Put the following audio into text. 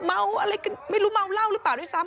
อายุ๑๒๑๓ไม่รู้เมาเหล้าหรือเปล่าด้วยซ้ำ